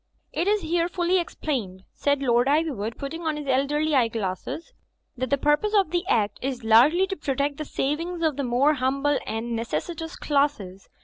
"It is here fully explained," said Lord Iv3rwood, putting on his elderly eyeglasses, "that the purpose of the Act is largely to protect the savings of the more humble and necessitous classes.